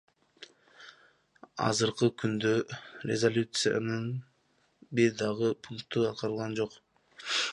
Азыркы күндө резолюциянын бир дагы пункту аткарылган жок.